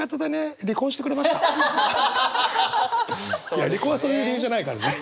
いや離婚はそういう理由じゃないからね。